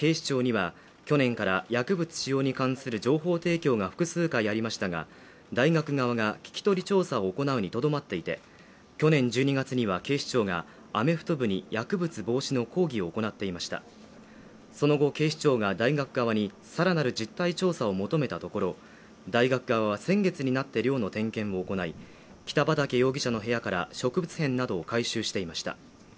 大学側や警視庁には去年から薬物使用に関する情報提供が複数回ありましたが大学側が聞き取り調査を行うにとどまっていて去年１２月には警視庁がアメフト部に薬物防止の講義を行っていましたその後警視庁が大学側にさらなる実態調査を求めたところ大学側は先月になって寮の点検も行い北畠容疑者の部屋から植物片などを回収していました